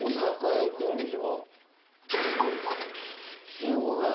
１５分。